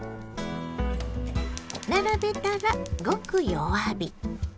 並べたらごく弱火。